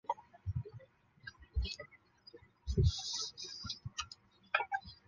设籍将军北港之渔船不足十艘。